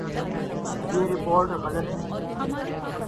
یہ رپورٹ غلط نہیں